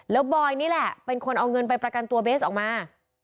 แล้วบอยนี่แหละเป็นคนเอาเงินไปประกันตัวเบสออกมา